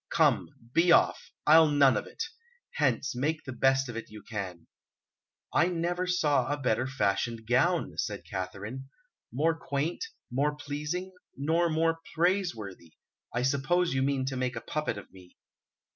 Come, be off; I'll none of it. Hence, make the best of it you can." "I never saw a better fashioned gown," said Katharine, "more quaint, more pleasing, nor more praiseworthy. I suppose you mean to make a puppet of me."